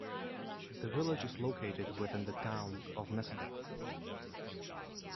The village is located within the Town of Necedah.